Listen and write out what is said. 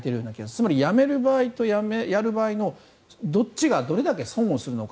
つまり、やめる場合とやる場合のどっちがどれだけ損をするのか。